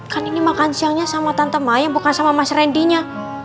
kan ini makan siangnya sama tante mayang bukan sama mas randy nya